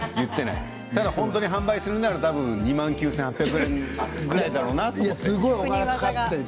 ただ本当に販売するのが２万９８００円ぐらいかなと。